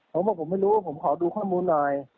ผมบอกผมไม่รู้ผมขอดูข้อมูลหน่อย